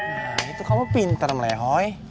nah itu kamu pinter melehoy